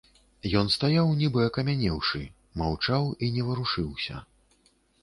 Ён стаяў нібы акамянеўшы, маўчаў і не варушыўся.